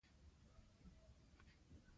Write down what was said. سیاسي بدلون د ولس غوښتنه ده